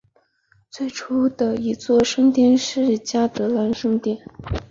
最初的一座圣殿是嘉德兰圣殿。